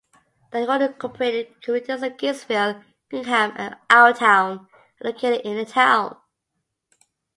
The unincorporated communities of Gibbsville, Hingham, and Ourtown are located in the town.